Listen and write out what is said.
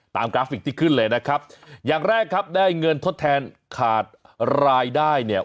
กราฟิกที่ขึ้นเลยนะครับอย่างแรกครับได้เงินทดแทนขาดรายได้เนี่ย